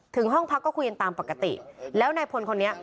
ห้องพักก็คุยกันตามปกติแล้วนายพลคนนี้